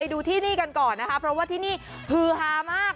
ดูที่นี่กันก่อนนะคะเพราะว่าที่นี่ฮือฮามาก